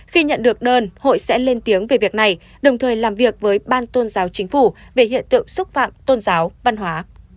khi nhận được đơn hội sẽ lên tiếng về việc này đồng thời làm việc với ban tôn giáo chính phủ về hiện tượng xúc phạm tôn giáo văn hóa